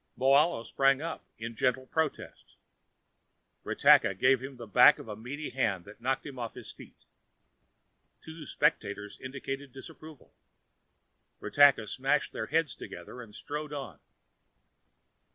Moahlo sprang up in gentle protest. Ratakka gave him the back of a meaty hand that knocked him off his feet. Two spectators indicated disapproval. Ratakka smashed their heads together and strode on.